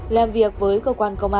làm việc với cơ quan công an